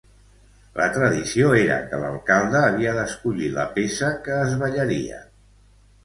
La tradició era que l’alcalde havia d’escollir la peça que es ballaria.